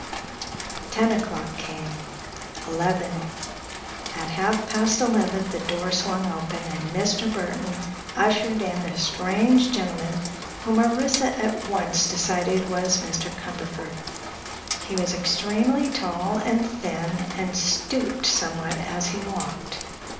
Ten o'clock came. Eleven. At half past eleven the door swung open and Mr. Burthon ushered in a strange gentleman whom Orissa at once decided was Mr. Cumberford. He was extremely tall and thin and stooped somewhat as he walked.